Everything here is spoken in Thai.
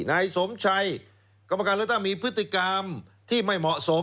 นายสมชัยกรรมการเลือกตั้งมีพฤติกรรมที่ไม่เหมาะสม